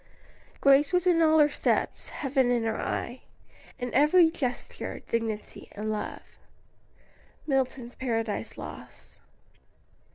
"Grace was in all her steps, heaven in her eye, In ev'ry gesture, dignity and love." MILTON'S PARADISE LOST.